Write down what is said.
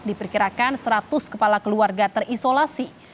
diperkirakan seratus kepala keluarga terisolasi